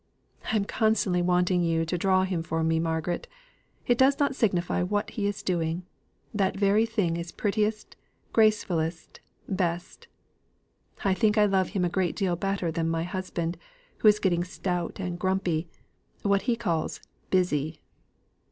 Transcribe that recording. I am constantly wanting you to draw him from me, Margaret. It does not signify what he is doing; that very thing is prettiest, gracefullest, best. I think I love him a great deal better than my husband, who is getting stout, and grumpy what he calls 'busy.